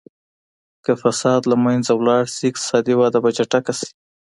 که فساد له منځه لاړ سي اقتصادي وده به چټکه سي.